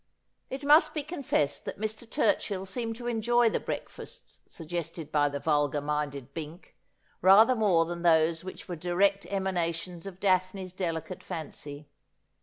It must be confessed that Mr. Turchill seemed to enjoy the breakfasts suggested by the vulgar minded Bink, rather more than those which were direct emanations of Daphne's delicate fancy.